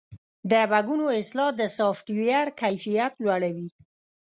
د بګونو اصلاح د سافټویر کیفیت لوړوي.